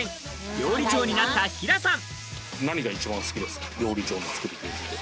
料理長になったヒラさん。